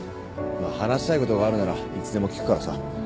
まっ話したいことがあるならいつでも聞くからさ。